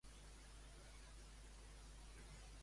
Quant temps dona tombs per la galàxia Ripley?